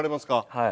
はい。